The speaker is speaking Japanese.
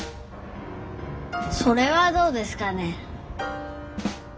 それはどうですかねえ。